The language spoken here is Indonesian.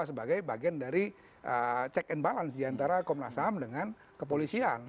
sebagai bagian dari check and balance diantara komnas ham dengan kepolisian